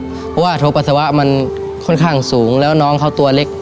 เพราะว่าโทรปัสสาวะมันค่อนข้างสูงแล้วน้องเขาตัวเล็ก